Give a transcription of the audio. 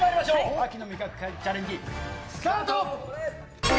秋の味覚狩りチャレンジ、スタート。